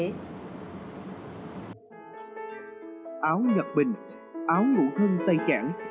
áo nhật bình áo ngũ hưng tay chẳng